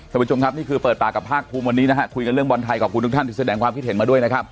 ท่านผู้ชมครับนี่คือเปิดปากกับภาคภูมิวันนี้นะฮะคุยกันเรื่องบอลไทยขอบคุณทุกท่านที่แสดงความคิดเห็นมาด้วยนะครับ